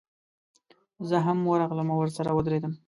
زه هم ورغلم او ورسره ودرېدم.